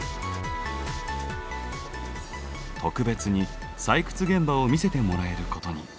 特別に採掘現場を見せてもらえることに。